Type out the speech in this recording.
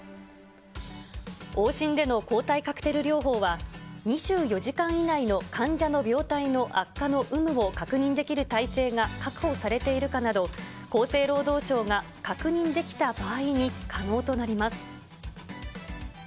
往診での抗体カクテル療法は、２４時間以内の患者の病態の悪化の有無を確認できる体制が確保されているかなど、厚生労働省が確認できた場合に可能となります。